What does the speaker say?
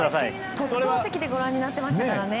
特等席でご覧になってましたからね。